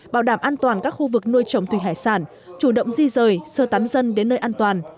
bảo đảm an toàn các khu vực nuôi trồng thủy hải sản chủ động di rời sơ tán dân đến nơi an toàn